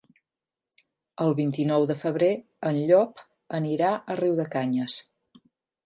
El vint-i-nou de febrer en Llop anirà a Riudecanyes.